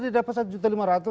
dia dapat satu lima juta